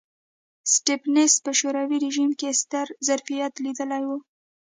سټېفنس په شوروي رژیم کې ستر ظرفیت لیدلی و